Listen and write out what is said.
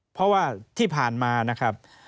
เพราะว่าที่ผ่านมานะครับ